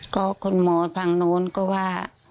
ก็คุณหมอทางโน้นก็ว่า